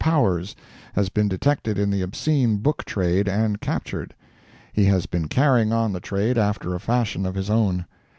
Powers has been detected in the obscene book trade and captured. He has been carrying on the trade after a fashion of his own.